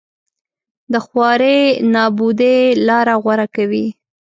له خوارۍ نابودۍ لاره غوره کوي